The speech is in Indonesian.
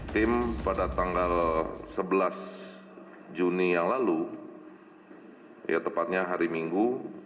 tim pada tanggal sebelas juni yang lalu ya tepatnya hari minggu